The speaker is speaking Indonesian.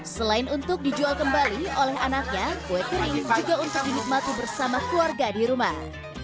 selain untuk dijual kembali oleh anaknya kue kering juga untuk dinikmati bersama keluarga di rumah